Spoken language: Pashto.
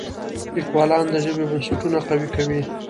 لیکوالان د ژبې بنسټونه قوي کوي.